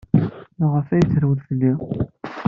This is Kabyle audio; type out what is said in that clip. Maɣef ay trewlemt fell-i?